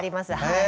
はい。